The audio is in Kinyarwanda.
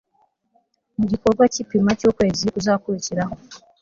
mu gikorwa cy'ipima cy'ukwezi kuzakurikiraho